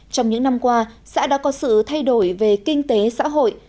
trong những năm qua xã đã có sự thay đổi về kinh tế xã hội